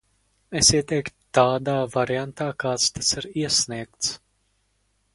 Es ieteiktu tādā variantā kāds tas ir iesniegts.